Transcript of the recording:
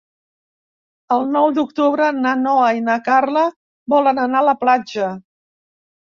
El nou d'octubre na Noa i na Carla volen anar a la platja.